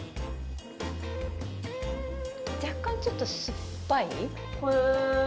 若干ちょっと酸っぱい？へえ。